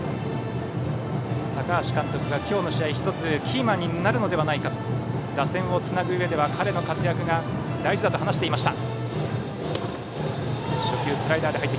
高橋監督が今日の試合、１つキーマンになるのではないかと打線をつなぐうえでは彼の活躍が大事だと話していました。